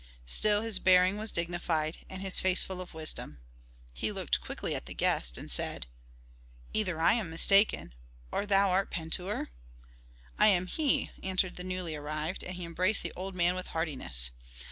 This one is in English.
Still, his bearing was dignified, and his face full of wisdom. He looked quickly at the guest and said, "Either I am mistaken, or thou art Pentuer?" "I am he," answered the newly arrived, and he embraced the old man with heartiness.